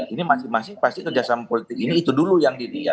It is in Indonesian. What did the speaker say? ini masih masih pasti kerjasama politik ini itu dulu yang diriam